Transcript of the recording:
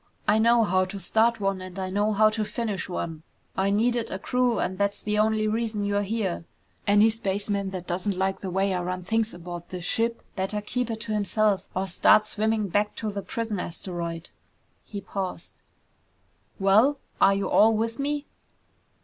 I know how to start one and I know how to finish one! I needed a crew and that's the only reason you're here! Any spaceman that doesn't like the way I run things aboard this ship, better keep it to himself, or start swimming back to the prison asteroid!" He paused. "Well? Are you all with me?"